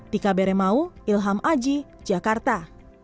tika beremau ilham aji jakarta